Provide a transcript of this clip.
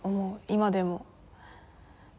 今でも。